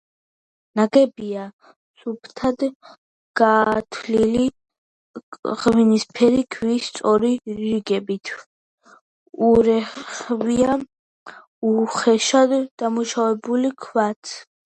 ნაგებია სუფთად გათლილი ღვინისფერი ქვის სწორი რიგებით, ურევია უხეშად დამუშავებული ქვაც.